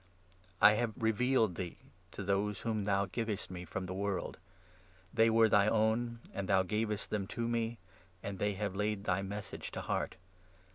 I have revealed thee to those whom thou 6 gavest me from the world ; they were thy own, and thou gavest them to me ; and they have laid thy Message to heart.